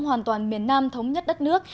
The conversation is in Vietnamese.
hoàn toàn miền nam thống nhất đất nước